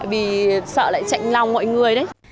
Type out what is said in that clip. vì sợ lại chạy lòng mọi người đấy